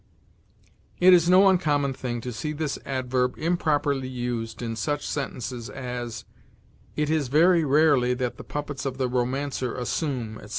It is no uncommon thing to see this adverb improperly used in such sentences as, "It is very rarely that the puppets of the romancer assume," etc.